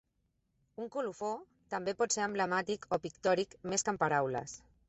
Un colofó també pot ser emblemàtic o pictòric més que en paraules.